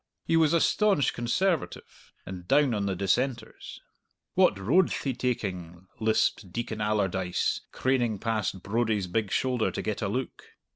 He was a staunch Conservative, and down on the Dissenters. "What road'th he taking?" lisped Deacon Allardyce, craning past Brodie's big shoulder to get a look.